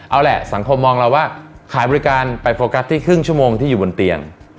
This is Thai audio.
เอาแหละสังคมมองเราว่าขายบริการไปโฟกัสที่ครึ่งชั่วโมงที่อยู่บนเตียง